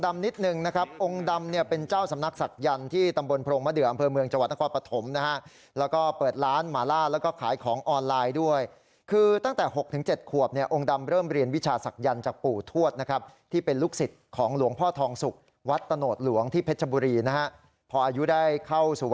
ไม่ดีมากไม่เคยเจอกันที่ด้านหลักไม่เจอกันที่ด้านหลัก